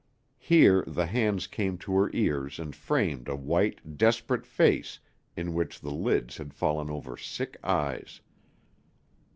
Here the hands came to her ears and framed a white, desperate face in which the lids had fallen over sick eyes.